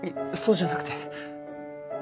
そうじゃなくて。